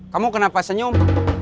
kamu kenapa senyum